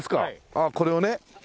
ああこれをね。